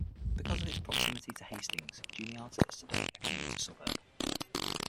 Because of its proximity to Hastings, Juniata is today a commuter suburb.